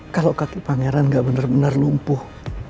kalau kaki pangeran gak bener bener lumpuh